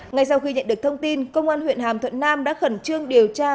ngay sau khi nhận được thông tin công an huyện hàm thuận nam đã khẩn trương điều tra